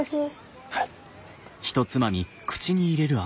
はい。